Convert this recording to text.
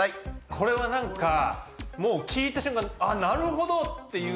これはなんかもう聞いた瞬間「あっなるほど」っていう。